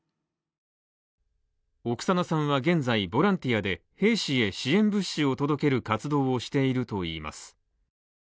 オクサナさんは現在ボランティアで兵士へ支援物資を届ける活動をしているといいます。